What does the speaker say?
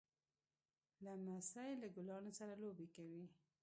لمسی له ګلانو سره لوبې کوي.